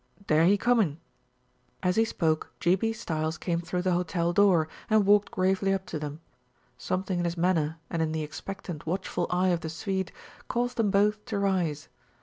"Dere he coomin'." As he spoke G. B. Stiles came through the hotel door and walked gravely up to them. Something in his manner, and in the expectant, watchful eye of the Swede, caused them both to rise.